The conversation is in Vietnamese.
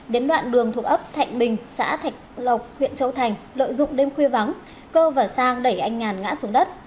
đến đoạn đường thuộc ấp thạnh bình xã thạch lộc huyện châu thành lợi dụng đêm khuya vắng cơ và sang đẩy anh ngàn ngã xuống đất